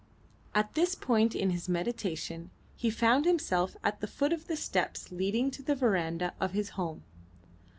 At this point in his meditation he found himself at the foot of the steps leading to the verandah of his home.